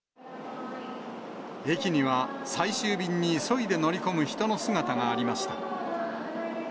駅には最終便に急いで乗り込む人の姿がありました。